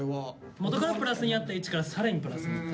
元からプラスにあった位置から更にプラスになった。